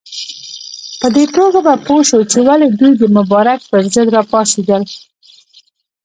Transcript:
په دې توګه به پوه شو چې ولې دوی د مبارک پر ضد راپاڅېدل.